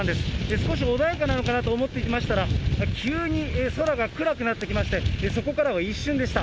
少し穏やかなのかなと思っていましたら、急に空が暗くなってきまして、そこからは一瞬でした。